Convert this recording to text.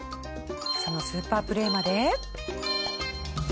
そのスーパープレーまで。